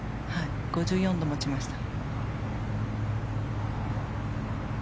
５４度を持ちました。